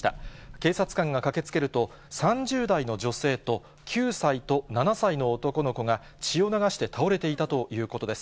警察官が駆けつけると、３０代の女性と、９歳と７歳の男の子が、血を流して倒れていたということです。